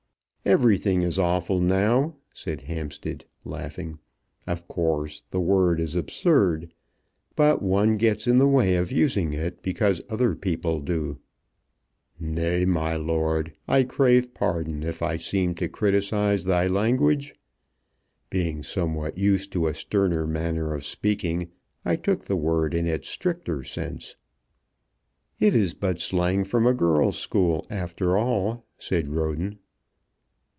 "Everything is awful now," said Hampstead, laughing. "Of course the word is absurd, but one gets in the way of using it because other people do." "Nay, my lord, I crave pardon if I seemed to criticize thy language. Being somewhat used to a sterner manner of speaking, I took the word in its stricter sense." "It is but slang from a girl's school, after all," said Roden.